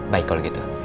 baik kalau gitu